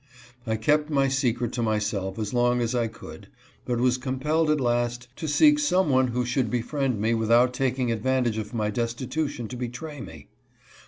I kept my secret to myself as long as I could, but was compelled at last to seek some one who should befriend me without taking advantage of my destitution to betray me.